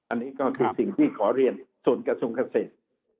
อันนี้ก็คือสิ่งที่ขอเรียนส่วนกระทรวงเกษตร